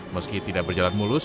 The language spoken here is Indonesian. meski tidak berjalan mulus